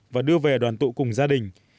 và đưa về đoàn tụ cùng gia đình